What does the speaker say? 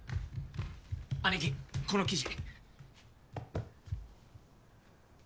姉貴この記事。